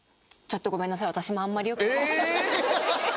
ちょっとごめんなさい